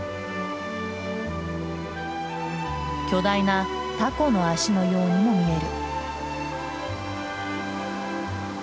巨大なタコの足のようにも見える。